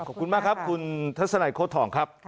ขอบคุณมากครับคุณทัศนัยโค้ดทองครับ